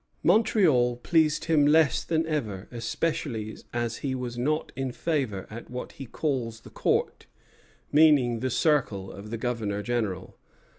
Montreal pleased him less than ever, especially as he was not in favor at what he calls the Court, meaning the circle of the Governor General.